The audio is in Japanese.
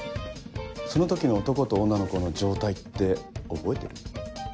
その時の男と女の子の状態って覚えてる？